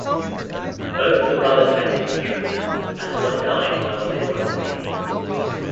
Both the brothers had dysentery and one died while they were at sea.